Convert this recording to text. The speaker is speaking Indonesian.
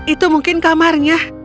itu mungkin kamarnya